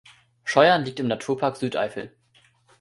Scheuern liegt im Naturpark Südeifel.